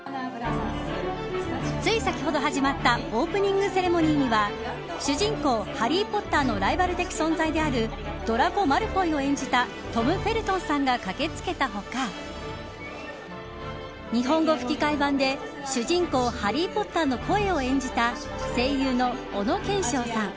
つい先ほど始まったオープニングセレモニーには主人公ハリー・ポッターのライバル的存在であるドラコ・マルフォイを演じたトム・フェルトンさんが駆け付けた他日本語吹き替え版で主人公ハリー・ポッターの声を演じた声優の小野賢章さん。